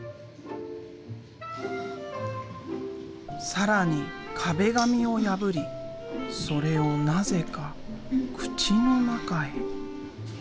更に壁紙を破りそれをなぜか口の中へ。